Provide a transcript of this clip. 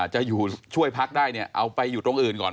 จะช่วยพักษ์ได้เอาไปอยู่ตรงอื่นก่อน